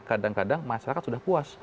kadang kadang masyarakat sudah puas